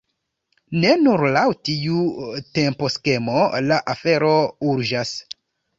Ne nur laŭ tiu temposkemo la afero urĝas.